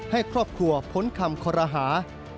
ให้ครอบครัวพ้นคำคอรหา